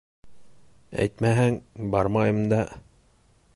— Әйтмәһәң, бармайым да...